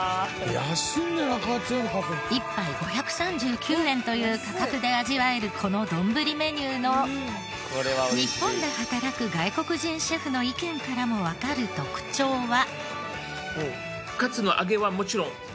１杯５３９円という価格で味わえるこの丼メニューの日本で働く外国人シェフの意見からもわかる特徴は。